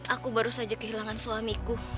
aku baru saja kehilangan suamiku